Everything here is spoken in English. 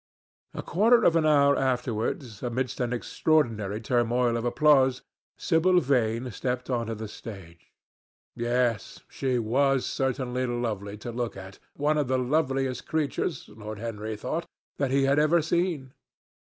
A quarter of an hour afterwards, amidst an extraordinary turmoil of applause, Sibyl Vane stepped on to the stage. Yes, she was certainly lovely to look at—one of the loveliest creatures, Lord Henry thought, that he had ever seen.